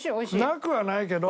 なくはないけど。